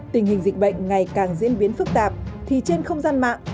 tình hình dịch bệnh ngày càng diễn biến phức tạp thì trên không gian mạng